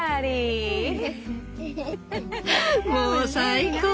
もう最高。